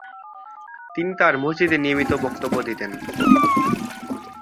তিনি তার মসজিদে নিয়মিত বক্তব্য দিতেন।